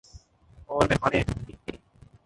اور میخانے بھی۔